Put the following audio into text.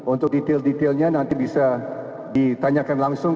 untuk detail detailnya nanti bisa ditanyakan langsung